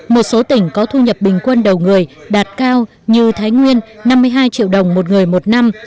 một số tỉnh có thu nhập bình quân đầu người đạt cao như thái nguyên năm mươi hai triệu đồng một người một năm